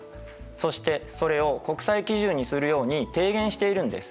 そしてそれを国際基準にするように提言しているんです。